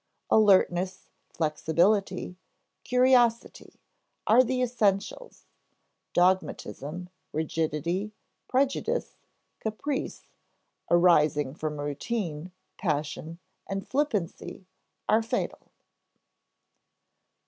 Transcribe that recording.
Alertness, flexibility, curiosity are the essentials; dogmatism, rigidity, prejudice, caprice, arising from routine, passion, and flippancy are fatal.